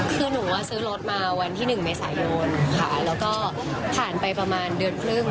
คือหนูว่าซื้อรถมาวันที่๑เมษายนค่ะแล้วก็ผ่านไปประมาณเดือนครึ่ง